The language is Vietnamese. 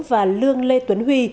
và lương lê tuấn huy